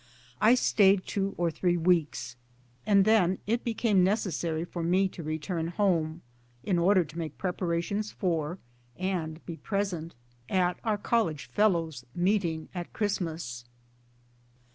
I stayed two or three weeks, and then it became necessary for me to return home, in order to make preparations for and 1 be present at 7.2 MY DAYS AND DREAMS our College Fellows' meeting at Christinas.